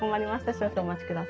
少々お待ちください。